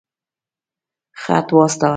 خط واستاوه.